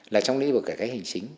là trong lĩnh vực cái hành chính